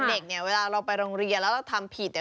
เด็กเนี่ยเวลาเราไปโรงเรียนแล้วเราทำผิดเนี่ย